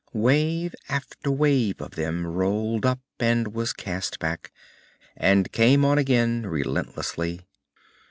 Wave after wave of them rolled up, and was cast back, and came on again relentlessly.